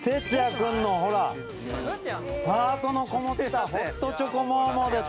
君のほらハートのこもってたＨＯＴチョコモモです。